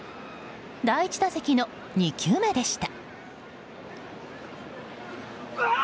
第１打席の２球目でした。